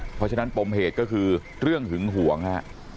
เพราะฉะนั้นปมเหตุก็คือเรื่องหึงห่วงฮะ